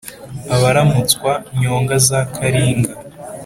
abaramutswa nyonga za karinga,